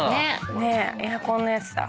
エアコンのやつだ。